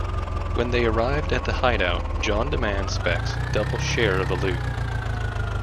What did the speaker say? When they arrive at the hideout, John demands Specs double share of the loot.